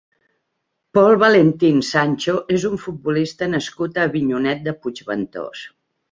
Pol Valentín Sancho és un futbolista nascut a Avinyonet de Puigventós.